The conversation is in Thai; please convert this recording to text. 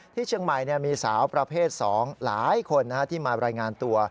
ที่เชียงใหม่มีสาวประเภท๒หลายคนที่มารายงานตัว